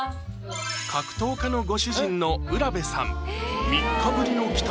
格闘家のご主人の卜部さん